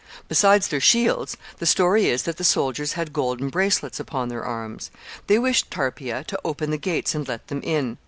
Besides their shields, the story is that the soldiers had golden bracelets upon their arms. They wished Tarpeia to open the gates and let them in.